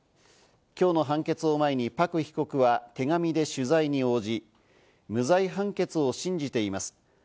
今日の判決を前に、パク被告は手紙で取材に応じ、無罪判決を信じています。